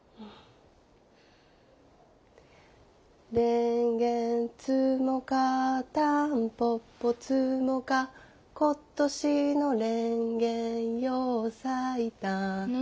れんげ摘もかたんぽぽ摘もか今年のれんげよう咲いた何？